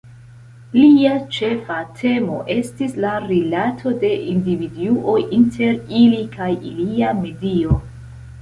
Lia ĉefa temo estis la rilato de individuoj inter ili kaj ilia medio.